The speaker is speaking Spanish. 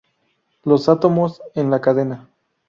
Los átomos en la cadena.